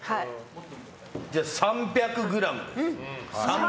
３００ｇです。